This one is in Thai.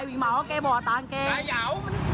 ฮีกว่านี้นะครับพอดีตามฮีก็ลึ้ง